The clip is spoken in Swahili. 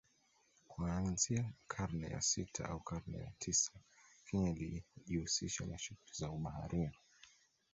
Kuanzia karne ya sita au karne ya tisa Kenya ilijihusisha na shughuli za ubaharia